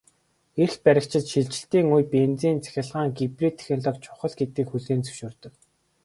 Эрх баригчид шилжилтийн үед бензин-цахилгаан гибрид технологи чухал гэдгийг хүлээн зөвшөөрдөг.